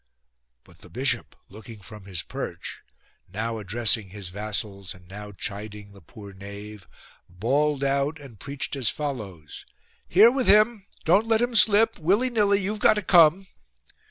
But the bishop, looking from his perch, now addressing his vassals and now chiding the poor knave, bawled out and preached as follows: — "Here with him! don't let him slip ! Willy nilly you've got to come."